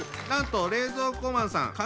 なんと冷蔵庫マンさん